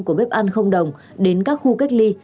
của bếp ăn không đồng đến các khu cách ly